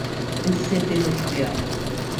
اس سے دل اٹھ گیا۔